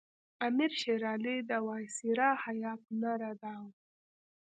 امیر شېر علي د وایسرا هیات نه رداوه.